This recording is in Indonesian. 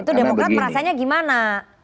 itu demokrasi perasaannya gimana